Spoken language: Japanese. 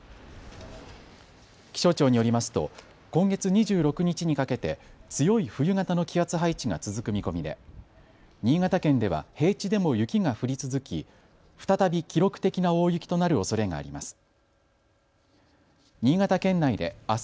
気象庁によりますと今月２６日にかけて強い冬型の気圧配置が続く見込みで新潟県では平地でも雪が降り続き再び記録的な大雪となるおそれがあります。